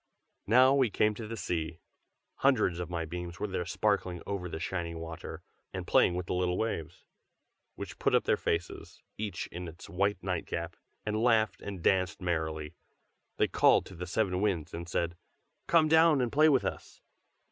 Now we came to the sea. Hundreds of my beams were there sparkling over the shining water, and playing with the little waves, which put up their faces, each in its white nightcap, and laughed and danced merrily. They called to the seven Winds and said: "Come down and play with us!"